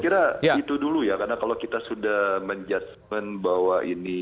saya kira itu dulu ya karena kalau kita sudah menjudgement bahwa ini